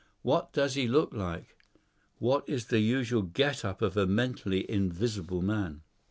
What does he look like? What is the usual get up of a mentally invisible man?"